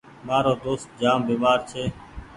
مآرو دوست جآم بيمآر ڇي۔